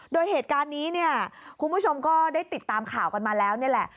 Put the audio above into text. โดยเหตุการณ์นี้เนี่ยคุณผู้ชมก็ได้ติดตามข่าวกันมาแล้วนี่แหละ